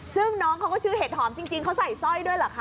ซึ่งน้องเขาก็ชื่อเห็ดหอมจริงเขาใส่สร้อยด้วยเหรอคะ